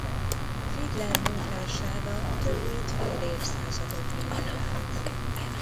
Fiedler munkássága több mint fél évszázadot ível át.